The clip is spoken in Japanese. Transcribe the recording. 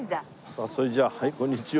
さあそれじゃあこんにちは。